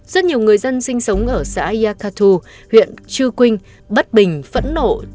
rất nhiều người dân sinh sống ở xã yakato huyện trư quỳnh bất bình phẫn nộ